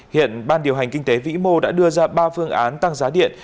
hiện ban điều hành kinh tế vĩ mô đã đưa ra ba phương án tăng giá điện